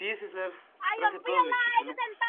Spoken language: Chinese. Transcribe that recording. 五大湖地区保持着很大数目的加拿大雁。